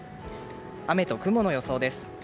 雨と雲の予想です。